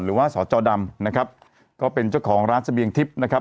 หรือว่าสอจอดำนะครับก็เป็นเจ้าของร้านเสบียงทิพย์นะครับ